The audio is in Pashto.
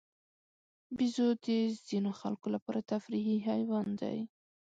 بیزو د ځینو خلکو لپاره تفریحي حیوان دی.